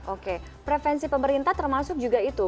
oke prevensi pemerintah termasuk juga itu